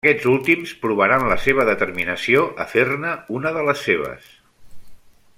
Aquests últims provaran la seva determinació a fer-ne una de les seves.